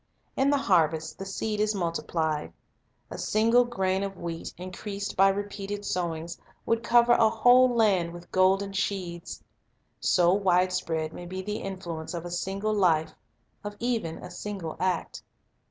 In the harvest the seed is multiplied. A single grain of wheat, increased by repeated sowings, would cover a whole land with golden sheaves. So wide spread may be the influence of a single life, of even a single act.